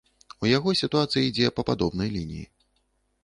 У яго сітуацыя ідзе па падобнай лініі.